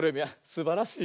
すばらしい。